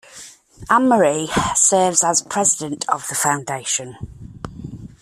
Anne-Marie serves as president of the foundation.